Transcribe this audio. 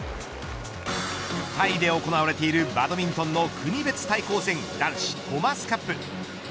タイで行われているバドミントンの国別対抗戦男子トマスカップ。